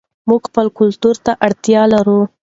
موږ خپل کلتور ته اړتیا لرو.